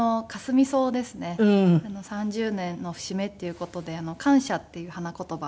３０年の節目っていう事で感謝っていう花言葉のある。